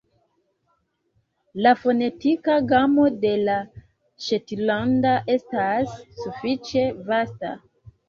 La fonetika gamo de la ŝetlanda estas sufiĉe vasta.